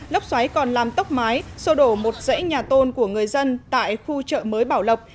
lốc xoáy còn làm tốc mái sô đổ một dãy nhà tôn của người dân tại khu chợ mới bảo lộc